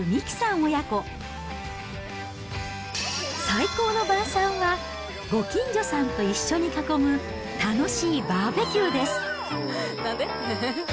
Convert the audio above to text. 最高の晩さんは、ご近所さんと一緒に囲む楽しいバーベキューです。